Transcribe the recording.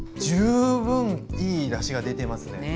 十分いいだしが出てますね。